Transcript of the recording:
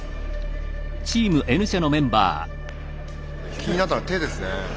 気になったのは手ですね。